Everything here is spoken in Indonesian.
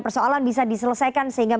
persoalan bisa diselesaikan sehingga